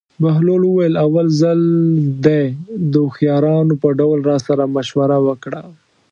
بهلول وویل: اول ځل دې د هوښیارانو په ډول راسره مشوره وکړه.